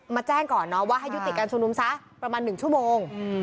แจ้งก่อนเนาะว่าให้ยุติการชุมนุมซะประมาณ๑ชั่วโมง